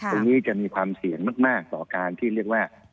ตรงนี้จะมีความเสี่ยงมากต่อการที่เรียกว่า